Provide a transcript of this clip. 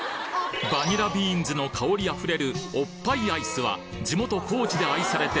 バニラビーンズの香り溢れるおっぱいアイスは地元高知で愛されて